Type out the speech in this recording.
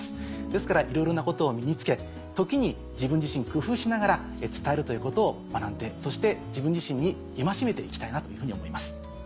ですからいろいろなことを身に付け時に自分自身工夫しながら伝えるということを学んでそして自分自身に戒めて行きたいなというふうに思います。